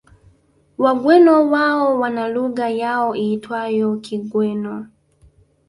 Wagweno wao wana lugha yao iitwayo Kigweno